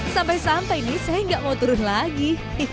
sampai sampai nih saya nggak mau turun lagi